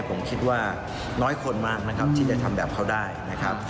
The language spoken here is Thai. ผมคิดว่าน้อยคนมากนะครับที่จะทำแบบเขาได้นะครับ